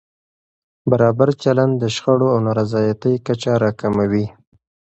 برابر چلند د شخړو او نارضایتۍ کچه راکموي.